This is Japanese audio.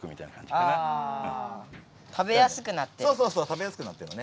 食べやすくなってる？